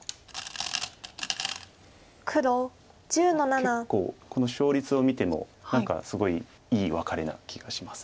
結構この勝率を見ても何かすごいいいワカレな気がします。